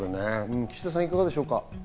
岸田さん、いかがでしょうか？